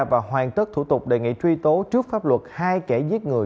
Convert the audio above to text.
và hoàn tất thủ tục đề nghị truy tố trước pháp luật hai kẻ giết người